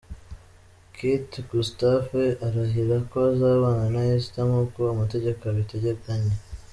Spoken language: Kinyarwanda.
Kate Gustave arahira ko azabana na Esther nkuko amategeko abiteganya.